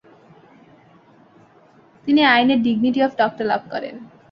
তিনি আইনে dignity of doctor লাভ করেন।